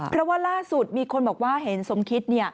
เพราะว่าล่าสุดมีคนบอกว่าเห็นสมคิด